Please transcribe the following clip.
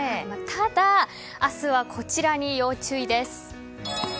ただ、明日はこちらに要注意です。